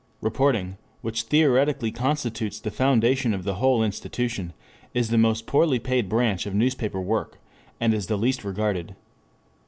Reporting, which theoretically constitutes the foundation of the whole institution, is the most poorly paid branch of newspaper work, and is the least regarded.